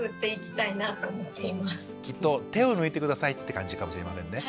きっと手を抜いて下さいって感じかもしれませんね。